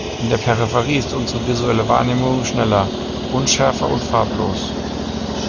In der Peripherie ist unsere visuelle Wahrnehmung schneller, unschärfer und farblos.